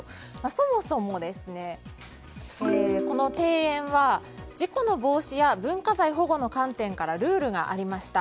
そもそも、この庭園は事故の防止や文化財保護の観点からルールがありました。